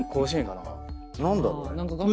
何だろうね。